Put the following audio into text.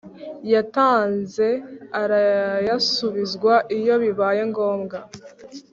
yatanze arayasubizwa Iyo bibaye ngombwa